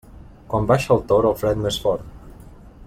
Quan baixa el tord, el fred més fort.